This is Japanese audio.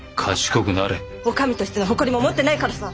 お上としての誇りも持ってないからさ。